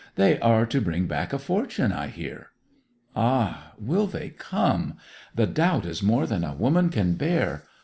'They are to bring back a fortune, I hear.' 'Ah! will they come? The doubt is more than a woman can bear.